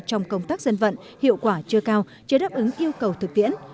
trong công tác dân vận hiệu quả chưa cao chưa đáp ứng yêu cầu thực tiễn